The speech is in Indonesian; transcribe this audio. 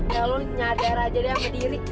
ya lo nyader aja deh sama diri